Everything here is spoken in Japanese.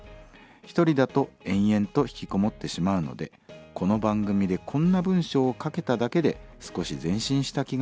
１人だと延々とひきこもってしまうのでこの番組でこんな文章を書けただけで少し前進した気がします。